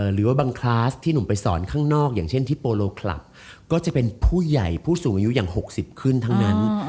หรือว่าบางคลาสที่หนุ่มไปสอนข้างนอกอย่างเช่นที่โปโลคลับก็จะเป็นผู้ใหญ่ผู้สูงอายุอย่าง๖๐ขึ้นทั้งนั้น